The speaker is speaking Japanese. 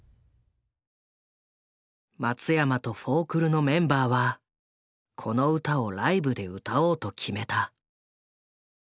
松山とフォークルのメンバーはこの歌をライブで歌おうと決めた。